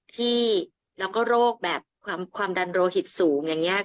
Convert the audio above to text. ที่แล้วก็โรคแบบความดันโลหิตสูงอย่างนี้